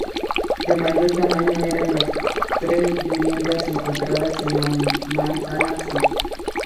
De mayor tamaño eran las tres viviendas encontradas en la manzana sur.